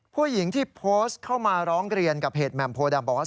ผู้หญิงที่โพสต์เข้ามาร้องเรียนกับเพจแหม่มโพดำบอกว่า